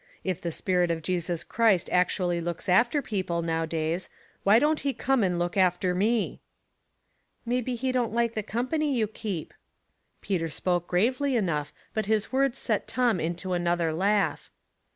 If the spirit of Jesus Christ actually looks after people now days, why don't he come and look after me ?"'' Maybe he don't like the company you keep." Peter spoke gravely enough, but bis words set Tom into another laugh.